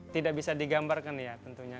tidak bisa digambarkan ya tentunya